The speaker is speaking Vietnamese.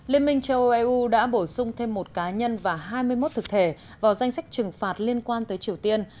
liên minh châu âu eu đã bổ sung thêm một cá nhân và hai mươi một thực thể vào danh sách trừng phạt liên quan tới triều tiên